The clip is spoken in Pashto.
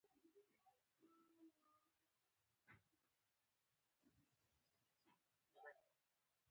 بس همدومره مې ورته وویل چې دولچ مو وخوړل.